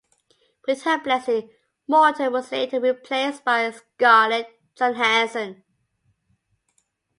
With her blessing, Morton was later replaced by Scarlett Johansson.